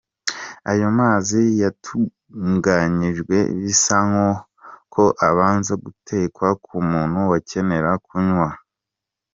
Ayo mazi yatunganyijwe bisaba ko abanza gutekwa ku muntu wakenera kuyanywa yujuje ubuziranenge.